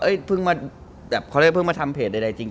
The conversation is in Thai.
เฮ้ยเพิ่งมาเผื่อทำเพจจริง